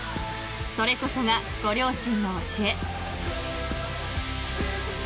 ［それこそがご両親の教え］